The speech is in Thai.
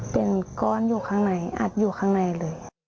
เป็นก้อนอยู่ข้างในอัดอยู่ข้างในเลย